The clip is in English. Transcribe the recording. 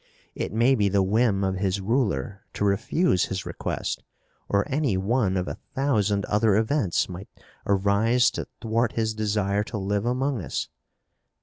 It may be the whim of his ruler to refuse his request, or any one of a thousand other events might arise to thwart his desire to live among us.